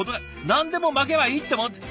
何でも巻けばいいってもん。